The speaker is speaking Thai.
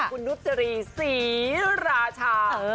คุณนุษย์จรีสีราชา